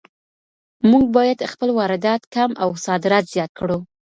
مونږ بايد خپل واردات کم او صادرات زيات کړو.